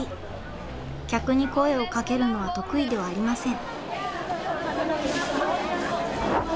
客に声をかけるのは得意ではありません。